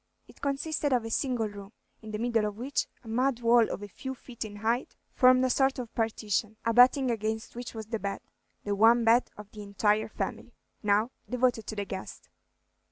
It consisted of a single room, in the middle of which a mud wall of a few feet in height formed a sort of partition, abutting against which was the bed, the one bed of the entire family, now devoted to the guest.